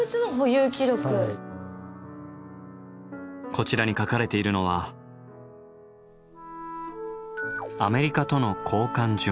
こちらに書かれているのは「アメリカとの交換樹木」。